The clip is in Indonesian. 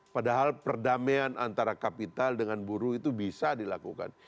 padahal perdamaian antara kapital dengan buruh itu bisa dilakukan